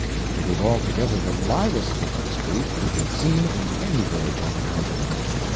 It was altogether the livest looking street we had seen in any village on the continent.